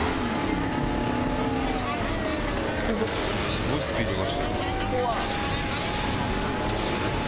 すごいスピード出してる。